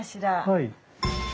はい。